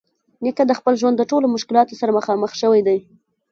نیکه د خپل ژوند د ټولو مشکلاتو سره مخامخ شوی دی.